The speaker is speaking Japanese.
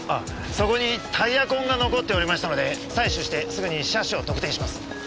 そこにタイヤ痕が残っておりましたので採取してすぐに車種を特定します。